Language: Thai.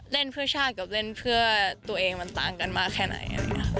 เล่นเพื่อชาติกับเล่นเพื่อตัวเองมันต่างกันมากแค่ไหน